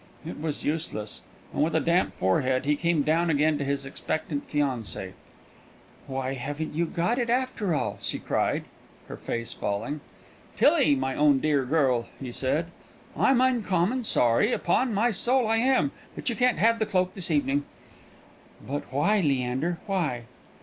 It was useless, and with a damp forehead he came down again to his expectant fiancée. "Why, you haven't got it, after all!" she cried, her face falling. "Tillie, my own dear girl," he said, "I'm uncommon sorry, upon my soul I am, but you can't have that cloak this evening." "But why, Leander, why?"